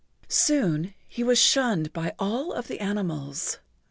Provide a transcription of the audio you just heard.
Soon he was shunned by all of the animals.